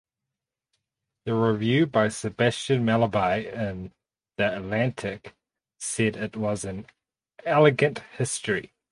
The review by Sebastian Mallaby in "The Atlantic" said it was an "elegant history".